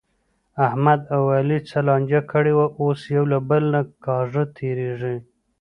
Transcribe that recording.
احمد او علي څه لانجه کړې وه، اوس یو له بل نه کاږه تېرېږي.